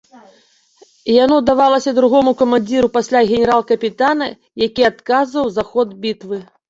Яно давалася другому камандзіру пасля генерал-капітана, які адказваў за ход бітвы.